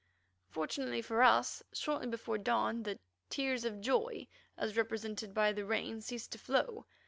Fortunately for us, shortly before dawn the "tears of sorrow" as represented by the rain ceased to flow.